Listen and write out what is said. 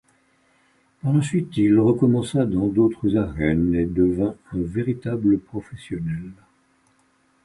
Par la suite, il recommença dans d’autres arènes et devint un véritable professionnel.